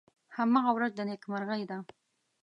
هماغه ورځ د نیکمرغۍ ده .